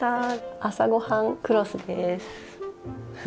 「朝ごはんクロス」です。